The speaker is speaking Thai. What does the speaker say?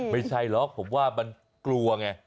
ไม่ใช่หรอกผมว่ามันกลัวไง